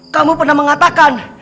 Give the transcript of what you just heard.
kamu pernah mengatakan